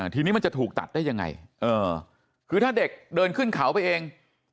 ทีนี้มันจะถูกตัดได้ยังไงเออคือถ้าเด็กเดินขึ้นเขาไปเอง